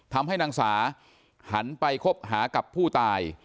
ทำให้นางสาหันไปคบหากับผู้ตาย